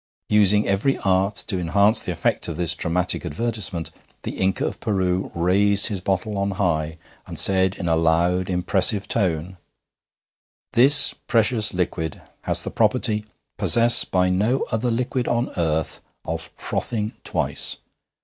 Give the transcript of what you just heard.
Using every art to enhance the effect of this dramatic advertisement, the Inca of Peru raised his bottle on high, and said in a loud, impressive tone: 'This precious liquid has the property, possessed by no other liquid on earth, of frothing twice.